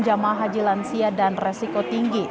jemaah haji lansia dan resiko tinggi